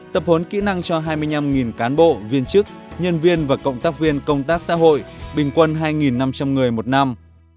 tập huấn kỹ năng cho hai mươi năm cán bộ viên chức nhân viên và cộng tác viên công tác xã hội bình quân hai năm trăm linh người một năm